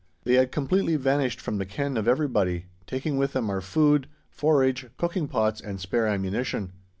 They had completely vanished from the ken of everybody, taking with them our food, forage, cooking pots, and spare ammunition.